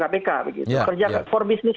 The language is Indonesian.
kpk kerja for business